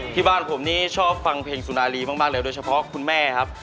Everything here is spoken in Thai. ที่บ้านผมนี่ชอบฟังเพลงสุนารีมากเลยโดยเฉพาะคุณแม่ครับ